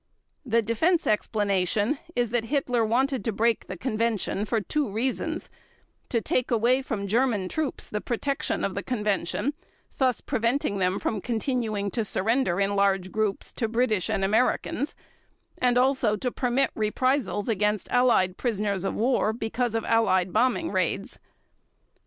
The Defense explanation is that Hitler wanted to break the Convention for two reasons: to take away from German troops the protection of the Convention, thus preventing them from continuing to surrender in large groups to the British and Americans, and also to permit reprisals against Allied prisoners of war because of Allied bombing raids.